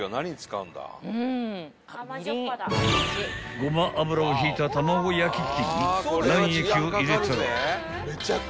［ごま油を引いた卵焼き器に卵液を入れたら］